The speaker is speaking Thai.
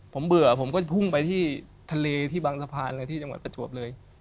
ผมเบื่อผมก็พุ่งไปที่ทะเลที่บางสะพานเลยที่จังหวัดประจวบเลย